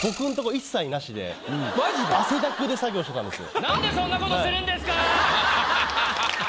で作業してたんですよ。